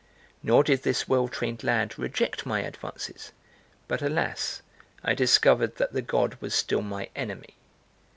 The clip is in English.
Nor did this well trained lad reject my advances; but alas! I discovered that the God was still my enemy.